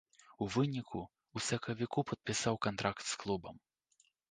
У выніку ў сакавіку падпісаў кантракт з клубам.